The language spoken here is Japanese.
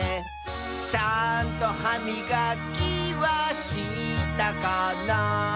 「ちゃんとはみがきはしたかな」